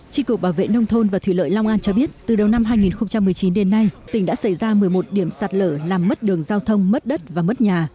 trị cục bảo vệ nông thôn và thủy lợi long an cho biết từ đầu năm hai nghìn một mươi chín đến nay tỉnh đã xảy ra một mươi một điểm sạt lở làm mất đường giao thông mất đất và mất nhà